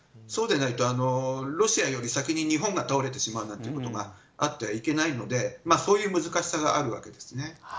そうでないとロシアより先に日本が倒れてしまうことがあってはいけないのでそういう難しさがあるわけです。